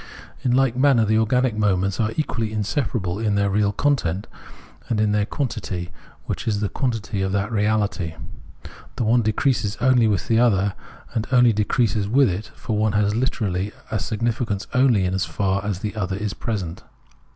In hke manner the organic moments are equally inseparable in their real content, and in their quantity which is the quantity of that reahty. The one decreases only with the other, and only increases with it, for one has hterally a significance only so far as the other is present.